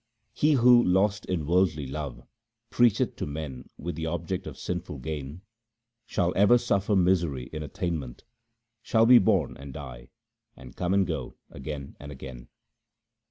He who, lost in worldly love, preacheth to men with the object of sinful gain, Shall ever suffer misery in attainment, shall be born and die, and come and go again and again.